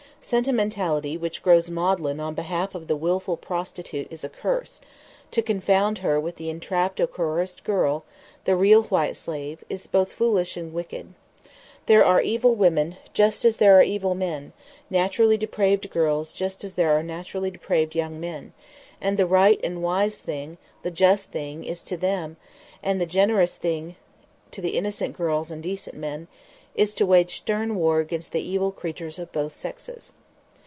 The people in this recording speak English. Sentimentality which grows maudlin on behalf of the willful prostitute is a curse; to confound her with the entrapped or coerced girl, the real white slave, is both foolish and wicked. There are evil women just as there are evil men, naturally depraved girls just as there are naturally depraved young men; and the right and wise thing, the just thing, to them, and the generous thing to innocent girls and decent men, is to wage stern war against the evil creatures of both sexes.